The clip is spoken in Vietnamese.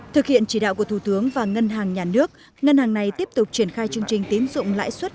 thực hiện chỉ đạo của thủ tướng và ngân hàng nhà nước ngân hàng này tiếp tục triển khai chương trình tín dụng lãi suất